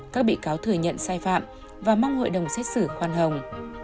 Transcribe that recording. các bị cáo thừa nhận sai phạm và mong hội đồng xét xử khoan hồng